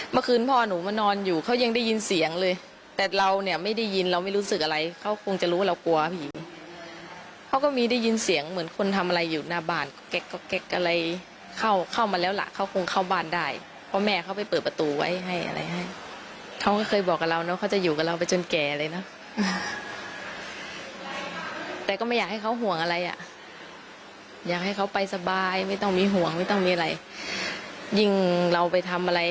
เมื่อคืนพ่อหนูมานอนอยู่เขายังได้ยินเสียงเลยแต่เราเนี่ยไม่ได้ยินเราไม่รู้สึกอะไรเขาคงจะรู้เรากลัวผีเขาก็มีได้ยินเสียงเหมือนคนทำอะไรอยู่หน้าบ้านแกก็แก๊กอะไรเข้าเข้ามาแล้วล่ะเขาคงเข้าบ้านได้เพราะแม่เขาไปเปิดประตูไว้ให้อะไรให้เขาก็เคยบอกกับเราเนอะเขาจะอยู่กับเราไปจนแก่เลยนะแต่ก็ไม่อยากให้เขาห่วงอะไรอ่ะอยากให้เขาไปสบายไม่ต้องมีห่วงไม่ต้องมีอะไรยิ่งเราไปทำอะไร